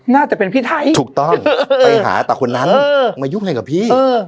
น่าจะเป็นพี่ไทยถูกต้องไปหาตาคนนั้นมายุ่งอะไรกับพี่